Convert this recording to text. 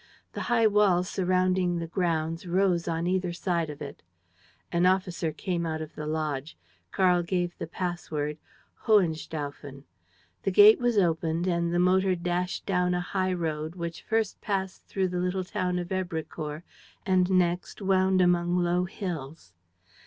The high walls surrounding the grounds rose on either side of it. An officer came out of the lodge. Karl gave the pass word, "Hohenstaufen." The gate was opened and the motor dashed down a high road which first passed through the little town of Èbrecourt and next wound among low hills.